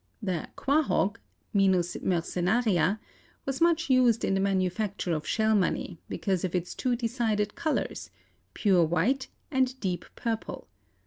The quahog (Venus mercenaria) was much used in the manufacture of shell money because of its two decided colors, pure white and deep purple.